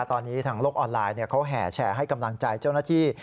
ตอนนี้ทางโลกออนไลน์เขาแห่แชร์ให้กำลังใจเจ้าหน้าที่